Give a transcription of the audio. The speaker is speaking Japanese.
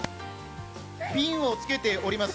フィンを着けております。